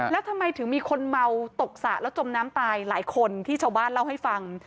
แล้วทำไมถึงมีคนเมาตกสระแล้วจมน้ำตายหลายคนที่ชาวบ้านเล่าให้ฟัง